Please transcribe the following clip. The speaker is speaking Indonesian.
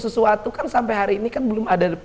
sesuatu kan sampai hari ini kan belum ada